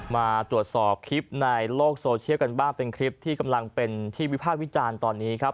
มาตรวจสอบคลิปในโลกโซเชียลกันบ้างเป็นคลิปที่กำลังเป็นที่วิพากษ์วิจารณ์ตอนนี้ครับ